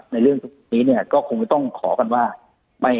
ในเรื่องนี้คงไม่ต้องขอกันว่า